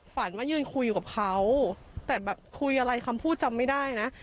ฝันว่ายืนคุยอยู่กับเขาแต่แบบคุยอะไรคำพูดจำไม่ได้นะ